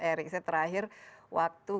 erick saya terakhir waktu